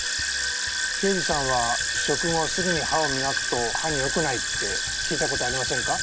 刑事さんは食後すぐに歯をみがくと歯によくないって聞いたことありませんか？